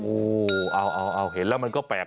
โอ้โหเอาเห็นแล้วมันก็แปลก